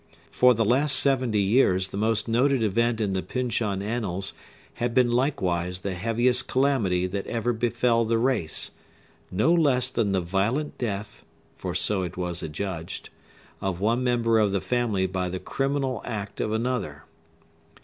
For the last seventy years the most noted event in the Pyncheon annals had been likewise the heaviest calamity that ever befell the race; no less than the violent death—for so it was adjudged—of one member of the family by the criminal act of another.